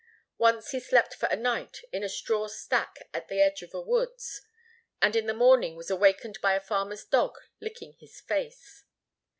Once he slept for a night in a straw stack at the edge of a woods and in the morning was awakened by a farmer's dog licking his face.